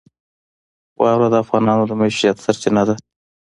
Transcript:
واوره د افغانانو د معیشت سرچینه ده.